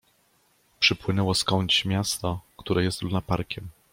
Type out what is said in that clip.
Przypłynęło skądś miasto, które jest lunaparkiem.